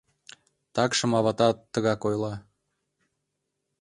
— Такшым аватат тыгак ойла...